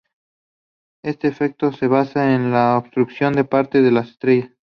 Este efecto se basa en la obstrucción de parte de la estrella.